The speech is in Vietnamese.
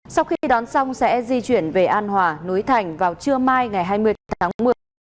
sau khi đón xong sẽ di chuyển về an hòa núi thành vào trưa mai ngày hai mươi tháng một mươi